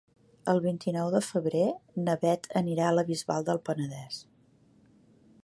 El vint-i-nou de febrer na Beth anirà a la Bisbal del Penedès.